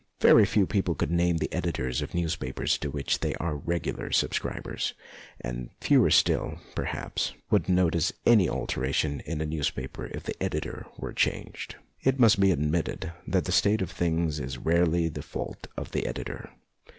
Very few people could name the editors of newspapers to which they are regular subscribers, and fewer still, perhaps, would notice any alteration in a newspaper if the editor were changed. It must be ad mitted that this state of things is rarely the fault of the editor.